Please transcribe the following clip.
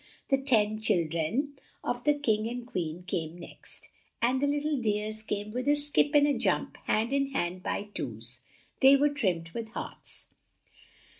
The ten chil dren of the King and Queen came next; and the little dears came with a skip and a jump hand in hand by twos. They were trimmed with hearts.